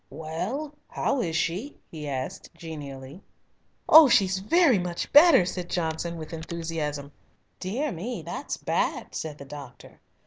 "Well, how is she?" he asked genially. "Oh, she's very much better," said Johnson, with enthusiasm. "Dear me, that's bad!" said the doctor.